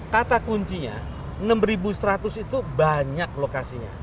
kata kuncinya enam seratus itu banyak lokasinya